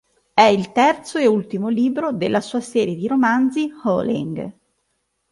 È il terzo e ultimo libro della sua serie di romanzi "Howling".